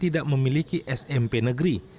tidak memiliki smp negeri